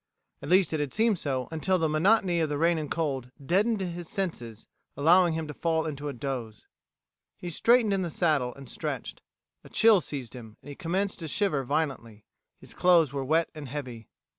At least it had seemed so until the monotony of the rain and cold deadened his senses, allowing him to fall into a doze. He straightened in the saddle, and stretched. A chill seized him, and he commenced to shiver violently. His clothes were wet and heavy.